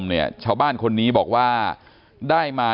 ที่มีข่าวเรื่องน้องหายตัว